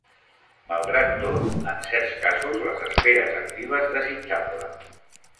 Malgrat tot, en certs casos les esperes actives desitjables.